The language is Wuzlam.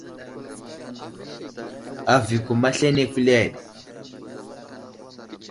Avi i kum aslane kuleɗ.